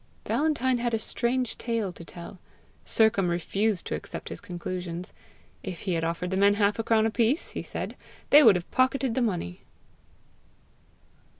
Valentine had a strange tale to tell. Sercombe refused to accept his conclusions: if he had offered the men half a crown apiece, he said, they would have pocketed the money.